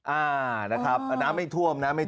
อ่านะครับน้ำไม่ท่วมน้ำไม่ท่วม